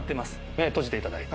目を閉じていただいて。